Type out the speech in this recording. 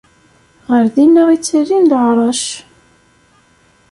Ɣer dinna i ttalin leɛrac.